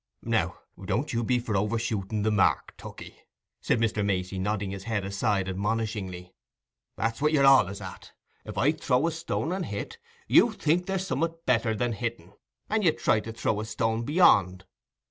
"Now, don't you be for overshooting the mark, Tookey," said Mr. Macey, nodding his head aside admonishingly. "That's what you're allays at; if I throw a stone and hit, you think there's summat better than hitting, and you try to throw a stone beyond.